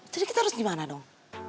jadi kita harus gimana dong